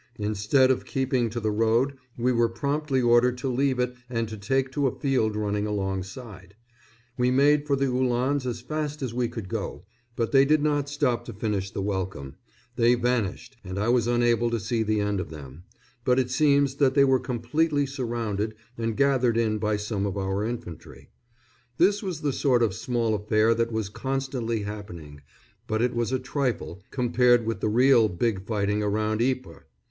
Instead of keeping to the road we were promptly ordered to leave it and to take to a field running alongside. We made for the Uhlans as fast as we could go, but they did not stop to finish the welcome; they vanished, and I was unable to see the end of them; but it seems that they were completely surrounded and gathered in by some of our infantry. [Illustration: To face p. 172. BRITISH CAVALRY AT THE FRONT.] This was the sort of small affair that was constantly happening, but it was a trifle compared with the real big fighting around Ypres.